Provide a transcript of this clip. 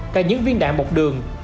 cả những viên đạn một đường